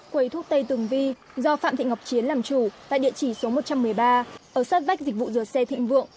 quầy thuốc tây tường vi do phạm thị ngọc chiến làm chủ tại địa chỉ số một trăm một mươi ba ở sát vách dịch vụ rửa xe thịnh vượng